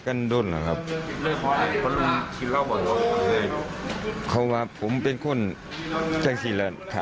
ไม่ดีและอารมณ์ร้อนด้วยหรอ